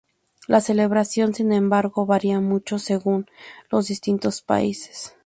La celebración sin embargo varía mucho según los distintos países.